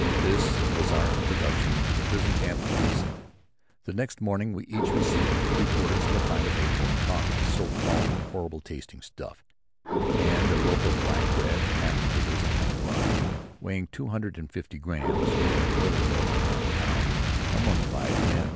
This was our introduction to the prison camp of Giessen. The next morning we each received three quarters of a pint of acorn coffee, so called, horrible tasting stuff; and a loaf of black bread half potatoes and half rye weighing two hundred and fifty grams, or a little more than half a pound, among five men.